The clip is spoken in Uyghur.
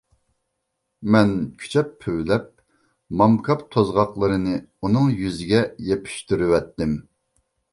مەن كۈچەپ پۈۋلەپ، مامكاپ توزغاقلىرىنى ئۇنىڭ يۈزىگە يېپىشتۇرۇۋەتتىم.